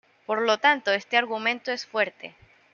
Por lo tanto, este argumento es fuerte.